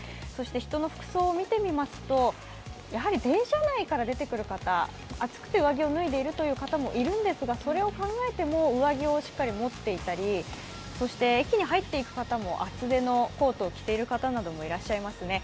人の服装を見てみますと、やはり電車内から出てくる方、暑くて上着を脱いでいるという方もいるんですけど、それを考えても上着をしっかり持っていたり駅に入っていく方も厚手のコートを着ている方もいらっしゃいますね。